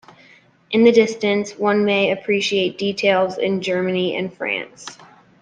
In the distance, one may appreciate details in Germany and France.